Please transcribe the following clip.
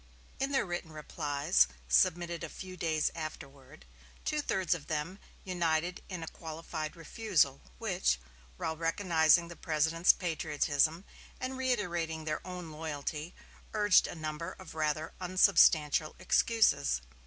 In their written replies, submitted a few days afterward, two thirds of them united in a qualified refusal, which, while recognizing the President's patriotism and reiterating their own loyalty, urged a number of rather unsubstantial excuses.